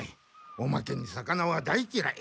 おまけに魚は大きらい。